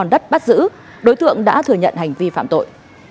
còn đất bắt giữ đối tượng đã thừa nhận hành vi phạm tội